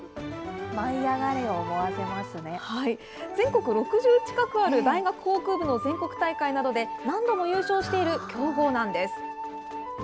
全国６０近くある大学航空部の全国大会などで、何度も優勝している強豪なんです。